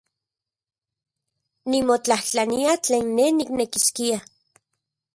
Nimotlajtlania tlen ne niknekiskia.